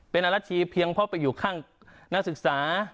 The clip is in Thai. เป็นอรัชชีเพียงเพราะไปอยู่ข้างนักศึกษา